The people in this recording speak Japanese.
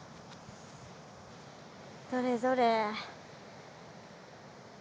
どれどれ。